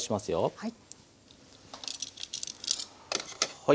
はい。